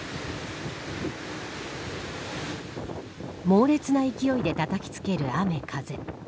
猛烈な勢いでたたきつける雨、風。